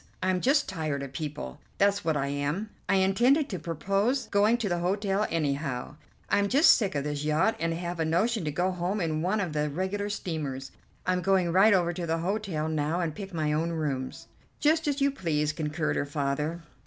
I'm just tired of people, that's what I am. I intended to propose going to the hotel anyhow. I'm just sick of this yacht, and have a notion to go home in one of the regular steamers. I'm going right over to the hotel now and pick my own rooms." "Just as you please," concurred her father.